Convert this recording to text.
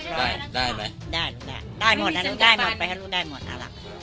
ได้ลูกได้ได้หมดนะลูกได้หมดไปครับลูกได้หมดอ่าล่ะ